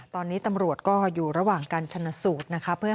เพราะมันเกิดขึ้นแล้วเนอะคนมันตายแล้ว